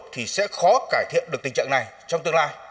thì sẽ khó cải thiện được tình trạng này trong tương lai